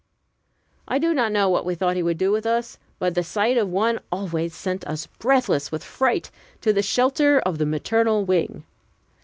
I do not know what we thought he would do with us, but the sight of one always sent us breathless with fright to the shelter of the maternal wing.